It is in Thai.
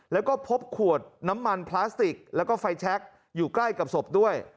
แล้วก็พบขวดน้ำมันพลาสติกแล้วก็ไฟแชคอยู่ใกล้กับศพด้วย